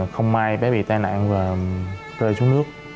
không may bé bị tai nạn và rơi xuống nước